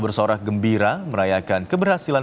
persib menang dengan skor tiga satu